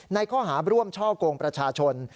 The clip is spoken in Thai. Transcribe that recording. ในข้อหาร่วมช่อกงประชาชน